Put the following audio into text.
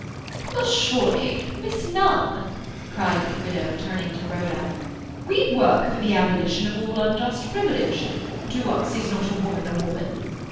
"But surely, Miss Nunn," cried the widow, turning to Rhoda, "we work for the abolition of all unjust privilege? To us, is not a woman a woman?"